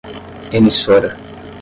emissora